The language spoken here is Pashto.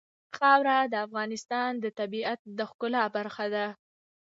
خاوره د افغانستان د طبیعت د ښکلا برخه ده.